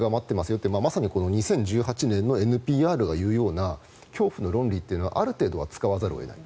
よってまさに２０１８年のＮＰＲが言うような恐怖の論理というのはある程度は使わざるを得ない。